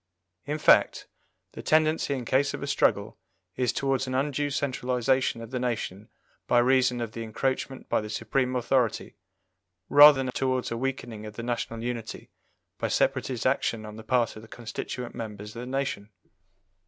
In fact, the tendency in case of a struggle is towards an undue centralization of the nation by reason of the encroachment by the Supreme authority, rather than towards a weakening of the national unity by separatist action on the part of the constituent members of the nation.